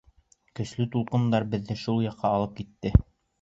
Көслө тулҡындар беҙҙе шул яҡҡа алып китте.